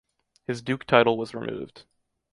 His duke title was removed.